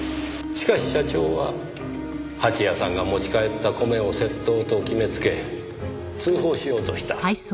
しかし社長は蜂矢さんが持ち帰った米を窃盗と決めつけ通報しようとした。